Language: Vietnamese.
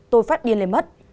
tôi phát điên lên mất